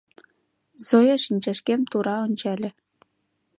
— Зоя шинчашкем тура ончале.